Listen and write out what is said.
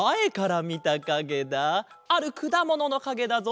あるくだもののかげだぞ。